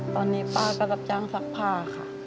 ตอนนี้ป้าก็รับจ้างซักผ้าค่ะ